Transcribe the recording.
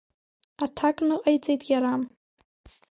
Аҭак ныҟаиҵеит иара.